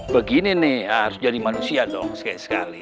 begini nih harus jadi manusia dong sekali sekali